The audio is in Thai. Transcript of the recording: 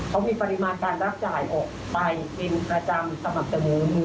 เราต้องรอกศักดารมากกระป๋อกก่อนหนานะคะ